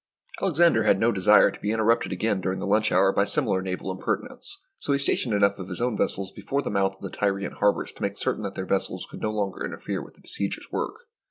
Alexander had no desire to be interrupted again during the lunch hour by similar naval imper tinence, so he stationed enough of his own vessels before the mouths of the Tyrian harbours to make certain that their vessels would no longer interfere with the besiegers' work.